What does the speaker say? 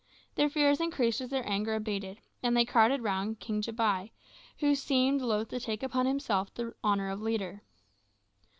Their fears increased as their anger abated, and they crowded round King Jambai, who seemed loath to take upon himself the honour of leader.